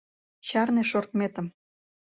Чарне шортметым.